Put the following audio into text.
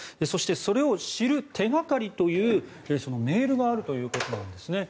そしてそれを知る手掛かりというメールがあるということです。